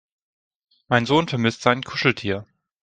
Mein Sohn vermisst sein Kuscheltier.